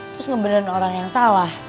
terus ngeberlain orang yang salah